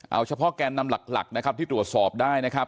เอาเฉพาะแกนนำหลักนะครับที่ตรวจสอบได้นะครับ